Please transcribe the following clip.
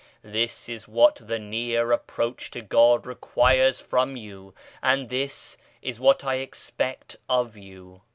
This is what the near approach to God requires from you, and this is what I expect of you.